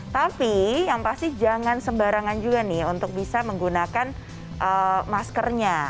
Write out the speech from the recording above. tapi yang pasti jangan sembarangan juga nih untuk bisa menggunakan maskernya